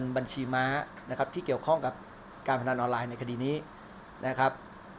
บัญชีม้านะครับที่เกี่ยวข้องกับการพนันออนไลน์ในคดีนี้นะครับ